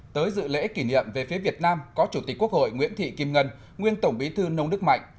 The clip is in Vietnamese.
tới dự lễ kỷ niệm về phía việt nam có chủ tịch quốc hội nguyễn thị kim ngân nguyên tổng bí thư nông đức mạnh